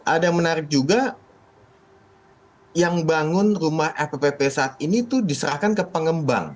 ada yang menarik juga yang bangun rumah fpp saat ini itu diserahkan ke pengembang